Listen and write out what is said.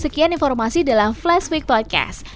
sekian informasi dalam flash week podcast